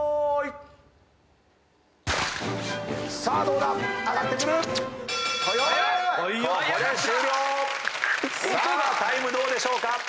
さあタイムどうでしょうか。